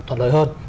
toàn lời hơn